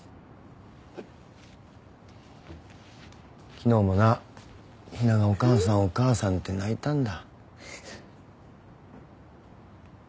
昨日もな陽菜が「お母さんお母さん」って泣いたんだ。